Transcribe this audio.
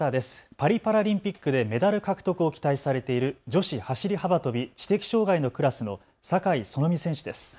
パリパラリンピックでメダル獲得を期待されている女子走り幅跳び知的障害のクラスの酒井園実選手です。